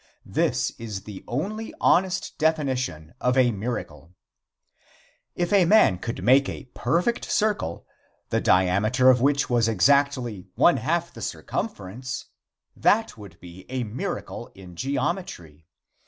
This is the only honest definition of a miracle. If a man could make a perfect circle, the diameter of which was exactly one half the circumference, that would be a miracle in geometry.